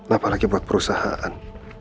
apalagi buat perusahaan